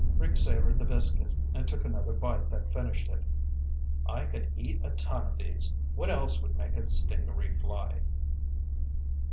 Rick savored the biscuit and took another bite that finished it. "I could eat a ton of these. What else would make a stingaree fly?"